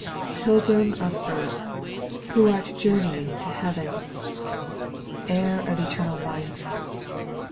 "piLGRIM of earth, who art journeying to A heaven ! Heir of eternal life